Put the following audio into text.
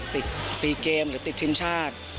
ติด๔เกมหรือติดทีมชาติ